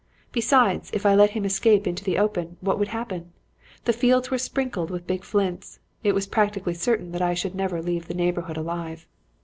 Besides, if I let him escape into the open, what would happen? The fields were sprinkled with big flints. It was practically certain that I should never leave the neighborhood alive.